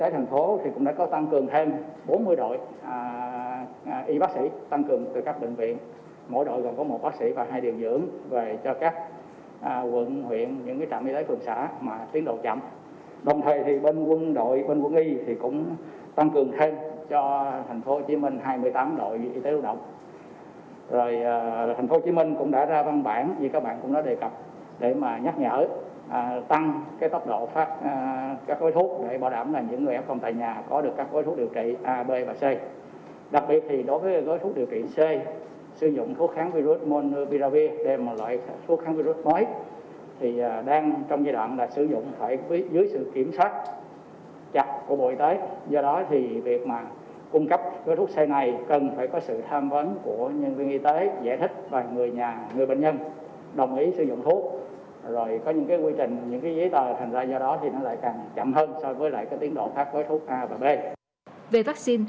tổ chức tổ chức tổ chức bệnh viện y tế thành phố cũng có tăng cường thêm bốn mươi đội y bác sĩ